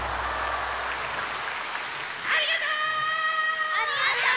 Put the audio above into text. ありがとう！